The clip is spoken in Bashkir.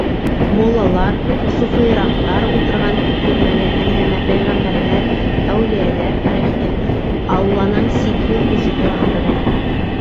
Муллалар, суфыйыраҡтар ултырған тирмәлә әңгәмә пәйғәмбәрҙәр, әүлиәләр тарихы, алланың сикһеҙ көсө тураһында бара.